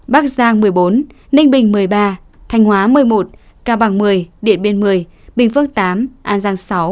bắc giang một mươi bốn ninh bình một mươi ba thanh hóa một mươi một cao bằng một mươi điện biên một mươi bình phước tám an giang sáu